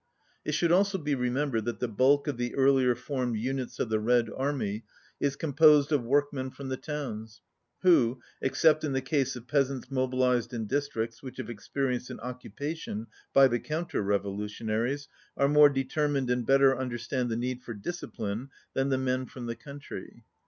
It should also be remembered that the bulk of the earlier formed units of the Red Army is com posed of workmen from the towns who, except in the case of peasants mobilized in districts which have experienced an occupation by the counter revolutionaries, are more determined and better understand the need for discipline than the men from the country.